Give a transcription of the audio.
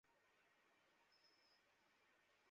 যদি সীমানা পার করতে পারো।